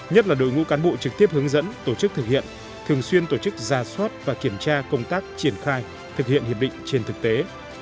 nhất là đội ngũ cán bộ trực tiếp hướng dẫn tổ chức thực hiện thường xuyên tổ chức ra soát và kiểm tra công tác triển khai thực hiện hiệp định trên thực tế